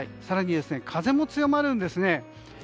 更に、風も強まるんです。